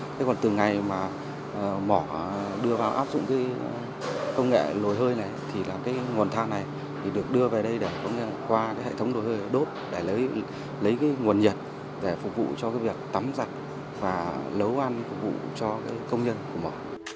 còn từ ngày mà mỏ đưa vào áp dụng công nghệ lồi hơi này thì nguồn than này được đưa về đây để qua hệ thống lồi hơi đốt để lấy nguồn nhiệt để phục vụ cho việc tắm giặt và lấu ăn phục vụ cho công nhân của mỏ